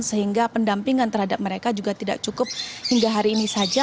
sehingga pendampingan terhadap mereka juga tidak cukup hingga hari ini saja